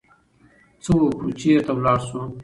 څه وکړو، چرته لاړ شو؟